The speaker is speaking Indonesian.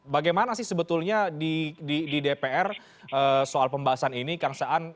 bagaimana sih sebetulnya di dpr soal pembahasan ini kang saan